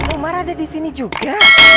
mas umar ada disini juga